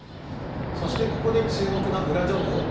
そして、ここで注目のウラ情報。